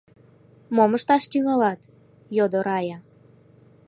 — Мом ышташ тӱҥалат? — йодо Рая.